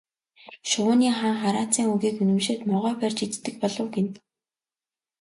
Шувууны хаан хараацайн үгийг үнэмшээд могой барьж иддэг болов гэнэ.